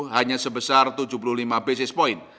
hanya sebesar tujuh puluh lima basis point